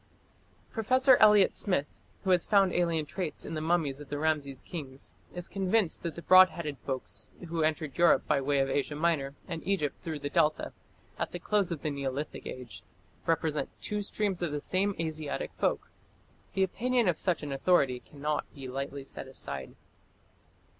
Professor Elliot Smith, who has found alien traits in the mummies of the Rameses kings, is convinced that the broad headed folks who entered Europe by way of Asia Minor, and Egypt through the Delta, at the close of the Neolithic Age, represent "two streams of the same Asiatic folk". The opinion of such an authority cannot be lightly set aside.